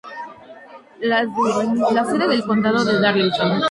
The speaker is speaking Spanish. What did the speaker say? La sede del condado es Darlington.